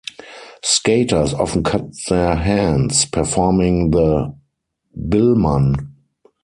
Skaters often cut their hands performing the Biellmann.